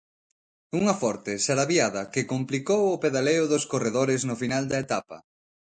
Unha forte sarabiada que complicou o pedaleo dos corredores no final da etapa.